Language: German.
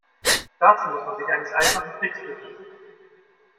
Dazu muss man sich eines einfachen Tricks bedienen.